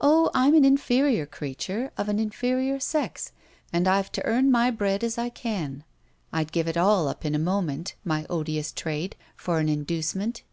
"Oh, I'm an inferior creature, of an inferior sex, and I've to earn my bread as I can. I'd give it all up in a moment, my odious trade for an inducement."